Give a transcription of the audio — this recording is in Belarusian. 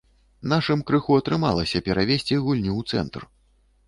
Нашым крыху атрымалася перавесці гульню ў цэнтр.